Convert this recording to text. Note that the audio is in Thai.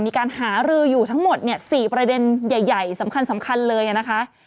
มีการหารืออยู่ทั้งหมด๔ประเด็นใหญ่สำคัญเลยนะคะ